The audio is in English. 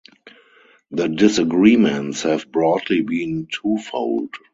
The disagreements have broadly been two fold.